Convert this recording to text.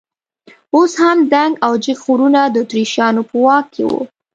اوس هم دنګ او جګ غرونه د اتریشیانو په واک کې وو.